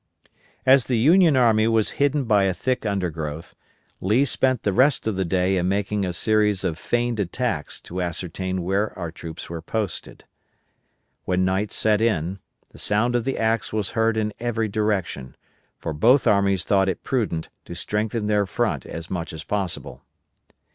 As the Union army was hidden by a thick undergrowth, Lee spent the rest of the day in making a series of feigned attacks to ascertain where our troops were posted. When night set in, the sound of the axe was heard in every direction, for both armies thought it prudent to strengthen their front as much as possible.